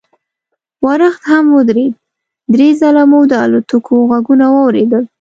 ورښت هم ودرېد، درې ځله مو د الوتکو غږونه واورېدل.